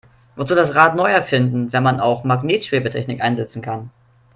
Wozu das Rad neu erfinden, wenn man auch Magnetschwebetechnik einsetzen kann?